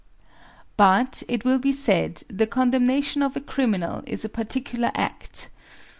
But, it will be said, the condemnation of a criminal is a particular act.